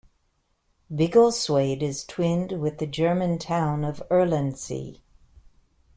Biggleswade is twinned with the German town of Erlensee.